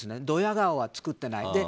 ドヤ顔は作ってない。